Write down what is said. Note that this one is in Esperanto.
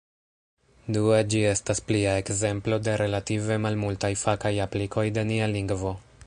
Due, ĝi estas plia ekzemplo de relative malmultaj fakaj aplikoj de nia lingvo.